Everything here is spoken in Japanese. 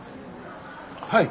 はい。